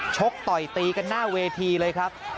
ชกต่อยตีกันหน้าเวทีเลยครับ